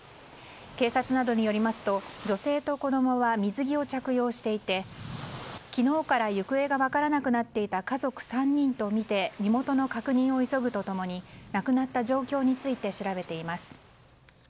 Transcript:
警察などによりますと女性と子供は水着を着用していて昨日から行方が分からなくなっていた家族３人とみて身元の確認を急ぐと共に亡くなった状況について調べています。